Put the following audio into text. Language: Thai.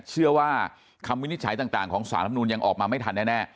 เชื่อว่าคำวินิจฉัยต่างของสารธรรมนูนยังออกมาไม่ทันแน่